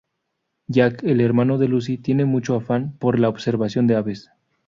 Jack, el hermano de Lucy, tiene mucho afán por la observación de aves.